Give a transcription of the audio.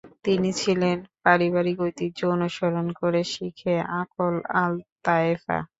তিনি ছিলেন পারিবারিক ঐতিহ্য অনুসরণ করে শেখ আকল আল তায়েফা।